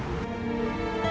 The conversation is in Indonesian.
kayaknya kaki udah gak mau jalan